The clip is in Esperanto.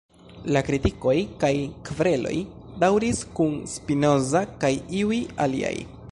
La kritikoj, kaj kvereloj, daŭris kun Spinoza kaj iuj aliaj.